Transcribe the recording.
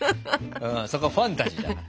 そこはファンタジーだから。